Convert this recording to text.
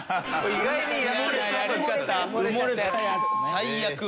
最悪。